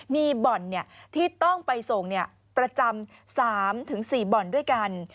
มีบ่อนเนี่ยที่ต้องไปส่งเนี่ยประจำ๓๔บ่อนด้วยกัน